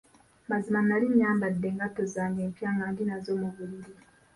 Mazima nali nyambadde engatto zange empya nga ndi nazo mu buliri.